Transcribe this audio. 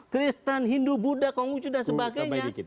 kristen hindu buddha konghucu dan sebagainya